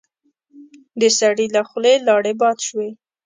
د سړي له خولې لاړې باد شوې.